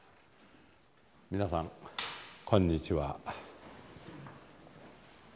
皆さんこんにちは。